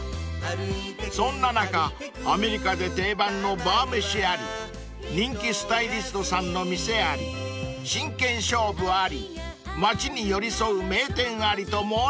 ［そんな中アメリカで定番のバー飯あり人気スタイリストさんの店あり真剣勝負あり町に寄り添う名店ありと盛りだくさん］